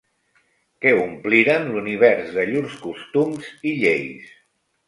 Que ompliren l'univers de llurs costums i lleis.